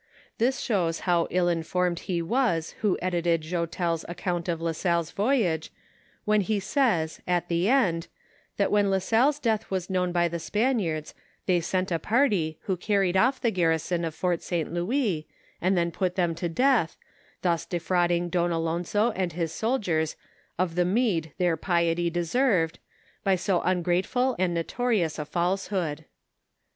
This shows how ill informed he was, who edited Joutel's account of La Salle's voyage, when he says, at the end, that when La Salle's death was known by the Spaniards, thoy sent a party who carried off the garrison of Fort St. Louis, and then put them to death, thus defrauding Don Alonso and his soldiers of the meed their piety deserved, by so ungrateful and notorious a falsehood.